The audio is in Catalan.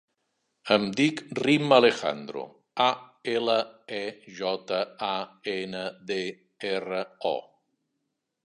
Em dic Rym Alejandro: a, ela, e, jota, a, ena, de, erra, o.